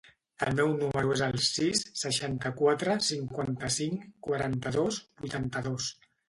El meu número es el sis, seixanta-quatre, cinquanta-cinc, quaranta-dos, vuitanta-dos.